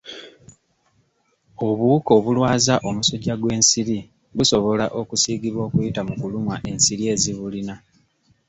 Obuwuka obulwaza omusujja gw'ensiri busobola okusiigibwa okuyita mu kulumwa ensiri ezibulina.